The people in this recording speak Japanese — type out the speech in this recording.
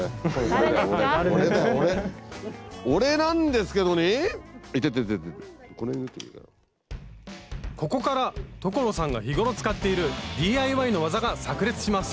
ここから所さんが日頃使っているＤＩＹの技がさく裂します